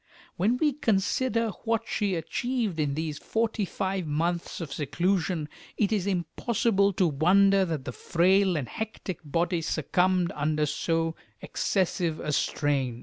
When we consider what she achieved in these forty five months of seclusion, it is impossible to wonder that the frail and hectic body succumbed under so excessive a strain.